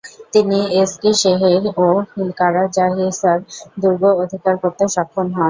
তিনি এসকিশেহির ও কারাজাহিসার দুর্গ অধিকার করতে সক্ষম হন।